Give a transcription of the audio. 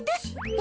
え？